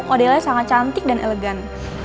modelnya sangat cantik dan elegan